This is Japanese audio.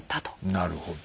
なるほど。